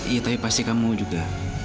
iya tapi pasti kamu juga